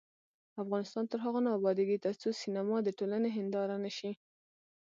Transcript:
افغانستان تر هغو نه ابادیږي، ترڅو سینما د ټولنې هنداره نشي.